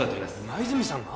今泉さんが？